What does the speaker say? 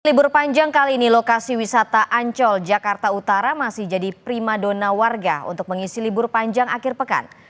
libur panjang kali ini lokasi wisata ancol jakarta utara masih jadi prima dona warga untuk mengisi libur panjang akhir pekan